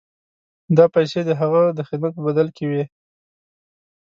دا پیسې د هغه د خدمت په بدل کې وې.